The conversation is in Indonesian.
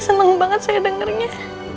senang banget saya dengarnya